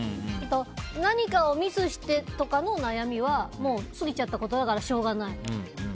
何かをミスしてとかの悩みはもう、過ぎちゃったことだからしょうがない。